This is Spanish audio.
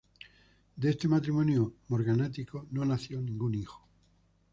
De este matrimonio morganático no nació ningún hijo.